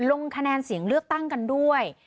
ลงคะแนนเสียงเลือกตั้งกันด้วย